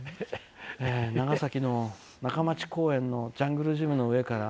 長崎の、中町公園の、ジャングルジムの上から。